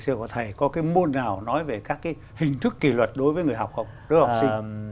sẽ có thầy có cái môn nào nói về các cái hình thức kỷ luật đối với người học học đối với học sinh